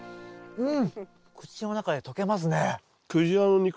うん。